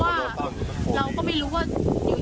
เขาขึ้นบ้านเลยอ่ะก็ตอนที่ที่ถึงกับเราเข้ากับตัวใครนะค่ะ